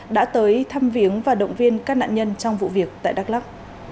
đã tới thăm viếng và động viên các nạn nhân trong vụ việc tại đắk lắc